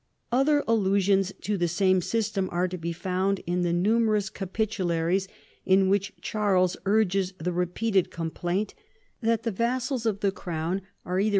Other allusions to the same system are to be found in the numerous Capitularies in which Charles urges the repeated complaint that the vassals of the Crown are either RESULTS.